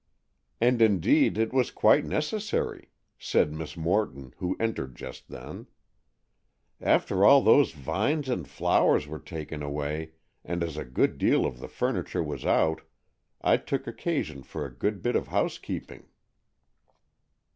"And indeed it was quite necessary," said Miss Morton, who entered just then. "After all those vines and flowers were taken away, and as a good deal of the furniture was out, I took occasion for a good bit of house cleaning."